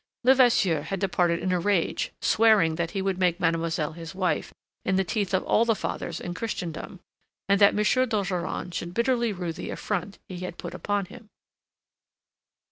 Levasseur had departed in a rage, swearing that he would make mademoiselle his wife in the teeth of all the fathers in Christendom, and that M. d'Ogeron should bitterly rue the affront he had put upon him.